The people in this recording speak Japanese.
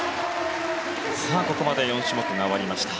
ここまで４種目が終わりました。